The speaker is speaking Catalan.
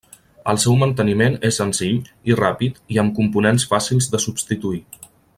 El seu manteniment és senzill i ràpid i amb components fàcils de substituir.